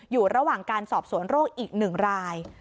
อยู่ระหว่างการสอบสวนโรคอีก๑ราย